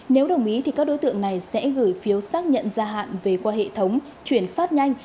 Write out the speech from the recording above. nếu đồng ý thì các đối tượng này sẽ gửi phiếu xác nhận gia hạn về qua hệ thống chuyển phát nhanh